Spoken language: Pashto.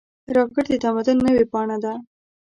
راکټ د تمدن نوې پاڼه ده